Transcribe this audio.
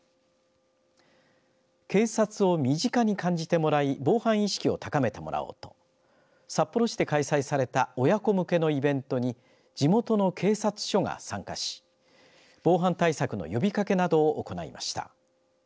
警察を身近に感じてもらい防犯意識を高めてもらおうと札幌市で開催された親子向けのイベントに地元の警察署が参加し防犯対策の呼びかけなどを行いました。